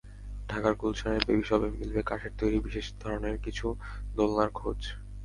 ঢাকার গুলশানের বেবি শপে মিলবে কাঠের তৈরি বিশেষ ধরনের কিছু দোলনার খোঁজ।